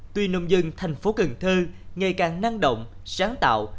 tuy nông dân thành phố cần thơ ngày càng năng động sáng tạo